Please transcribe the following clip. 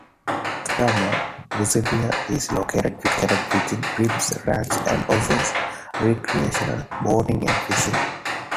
Miramar Reservoir is located within Scripps Ranch and offers recreational boating and fishing.